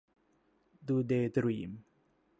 ดู เดย์ ดรีม